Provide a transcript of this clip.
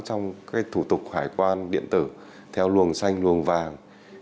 trong thủ tục hải quan điện tử theo luồng xanh luồng vàng